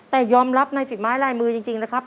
แต่ยอมรับในฝีไม้ลายมือจริงนะครับ